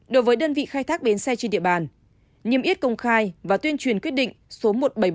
đối với đơn vị khai thác bến xe trên địa bàn nhiệm yết công khai và tuyên truyền quyết định số một nghìn bảy trăm bảy mươi bảy